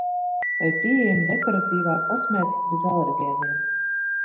Vai pieejama dekoratīvā kosmētika bez alergēniem?